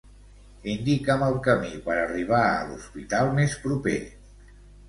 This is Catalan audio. Indica'm el camí per arribar a l'hospital més proper.